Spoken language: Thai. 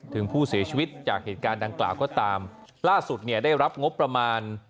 ถึงผู้เสียชีวิตจากเหตุการณ์ดังกล่าวก็ตามล่าสุดเนี่ยได้รับงบประมาณ